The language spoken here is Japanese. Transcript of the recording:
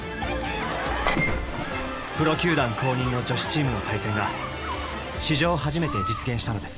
プロ球団公認の女子チームの対戦が史上初めて実現したのです。